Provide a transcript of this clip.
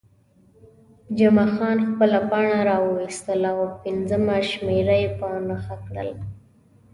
جمعه خان خپله پاڼه راویستل او پنځمه شمېره یې په نښه کړل.